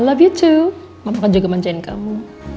i love you too mama kan juga manjain kamu